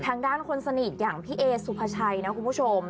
ทางด้านคนสนิทอย่างพี่เอสุภาชัยนะคุณผู้ชม